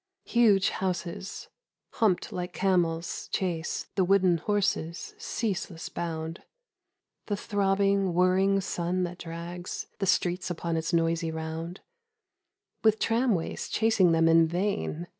Huge houses, humped like camels, chase The wooden horses' ceaseless bound ; The throbbing whirring sun that drags The streets upon its noisy round With tramways chasing them in vain, 90 Myself on the Merry go round.